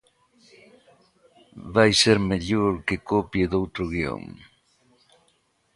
Vai ser mellor que copie doutro guión.